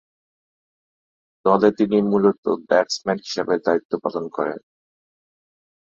দলে তিনি মূলতঃ ব্যাটসম্যান হিসেবে দায়িত্ব পালন করেন।